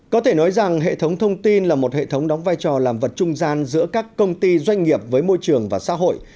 có thể nói rằng hệ thống thông tin là một hệ thống đóng vai trò làm vật trung gian giữa các công ty doanh nghiệp với môi trường và xã hội